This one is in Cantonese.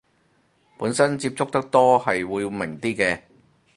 本身接觸得多係會明啲嘅